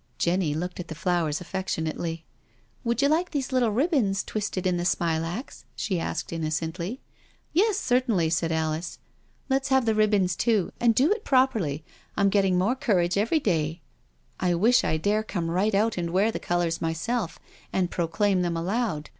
Jenny looked at the flowers affectionately. " Would you like these little ribbons twisted in the smilax?" she asked innocently. " Yes, certainly," said Alice. " Let's have the ribbons too, and do it properly— I am getting more courage every day. I wish I dare come right out and wear the colours myself and proclaim them aloud.